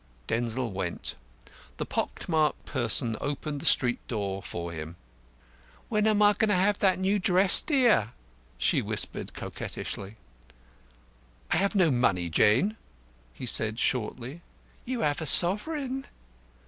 Denzil went. The pock marked person opened the street door for him. "When am I to have that new dress, dear?" she whispered coquettishly. "I have no money, Jane," he said shortly. "You have a sovereign."